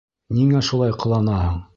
Ниңә шулай ҡыланаһың?